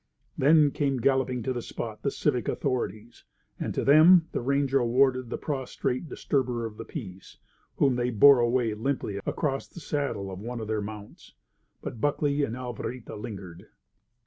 Then came galloping to the spot the civic authorities; and to them the ranger awarded the prostrate disturber of the peace, whom they bore away limply across the saddle of one of their mounts. But Buckley and Alvarita lingered.